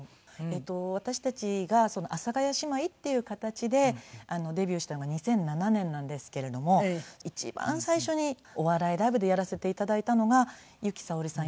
私たちが阿佐ヶ谷姉妹っていう形でデビューしたのが２００７年なんですけれども一番最初にお笑いライブでやらせて頂いたのが由紀さおりさん